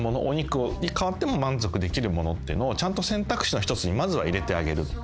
お肉に代わっても満足できるものっていうのをちゃんと選択肢の一つにまずは入れてあげる。